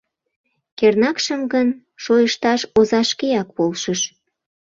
Кернакшым гын, шойышташ оза шкеак полшыш.